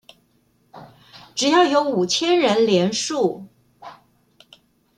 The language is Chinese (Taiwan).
只要有五千人連署